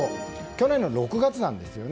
去年の６月です。